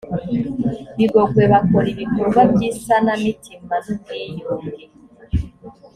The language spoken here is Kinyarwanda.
bigogwe bakora ibikorwa by’isanamitima n’ubwiyunge